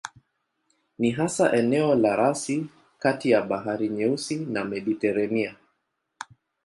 Ni hasa eneo la rasi kati ya Bahari Nyeusi na Mediteranea.